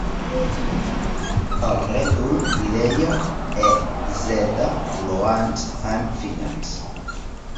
Al rètol hi deia "E Z Loans and Finance".